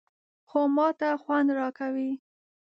_خو ماته خوند راکوي.